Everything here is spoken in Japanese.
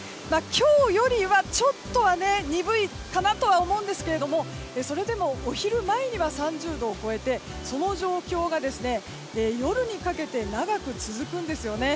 今日よりはちょっとは鈍いかなとは思うんですけれどもそれでもお昼前には３０度を超えてその状況が夜にかけて長く続くんですよね。